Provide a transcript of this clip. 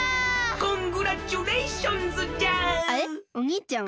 コングラッチュレーションズじゃあ！